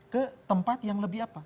ke tempat yang lebih apa